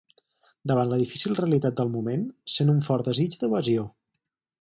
Davant la difícil realitat del moment, sent un fort desig d'evasió.